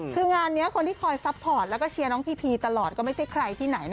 คืองานนี้คนที่คอยซัพพอร์ตแล้วก็เชียร์น้องพีพีตลอดก็ไม่ใช่ใครที่ไหนนะ